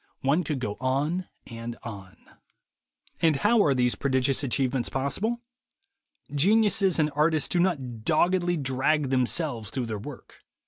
One could go on and on. And how are these prodigious achievements possible? Geniuses and artists do not doggedly drag themselves through their work.